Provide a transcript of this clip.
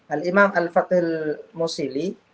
al imam al fatil mosili